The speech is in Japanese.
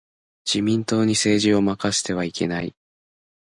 自民党に政治を任せてはいけない。